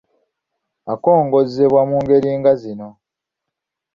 Akongozzebwa mu ngeri nga zino